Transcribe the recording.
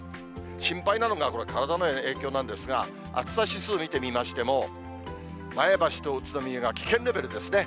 心配なのが、体の影響なんですが、暑さ指数見てみましても、前橋と宇都宮が危険レベルですね。